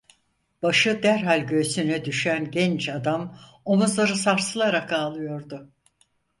Başı derhal göğsüne düşen genç adam omuzları sarsılarak ağlıyordu.